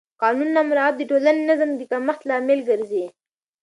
د قانون نه مراعت د ټولنې د نظم د کمښت لامل ګرځي